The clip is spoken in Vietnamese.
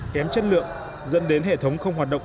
kém chất lượng dẫn đến hệ thống không hoạt động